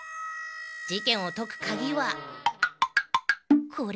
事件をとくカギはこれ。